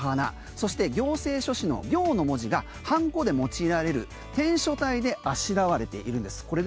そして行政書士の「行」の文字が判子で用いられる、てん書体であしらわれているんです。